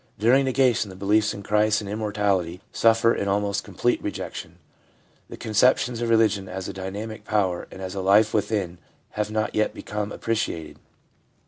During negation the beliefs in Christ and Immortality, suffer an almost complete ^rejection. The conceptions of religion as a dynamic power and as a life within have not yet become appreciated.